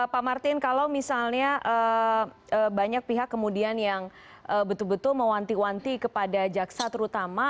pak martin kalau misalnya banyak pihak kemudian yang betul betul mewanti wanti kepada jaksa terutama